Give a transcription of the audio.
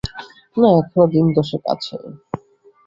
না, এখনো দিন-দশেক আছে।